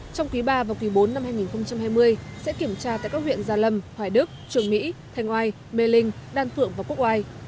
trong quý ba và quý bốn năm hai nghìn hai mươi sẽ kiểm tra tại các huyện gia lâm hoài đức trường mỹ thanh oai mê linh đan phượng và quốc oai